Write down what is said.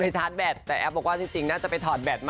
ทั้งประเภท